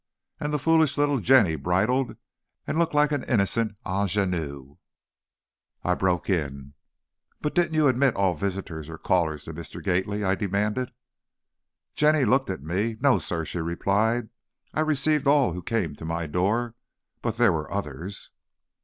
and the foolish little Jenny bridled and looked like an innocent ingénue. I broke in. "But didn't you admit all visitors or callers to Mr. Gately?" I demanded. Jenny looked at me. "No, sir," she replied; "I received all who came to my door, but there were others!"